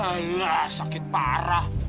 alah sakit parah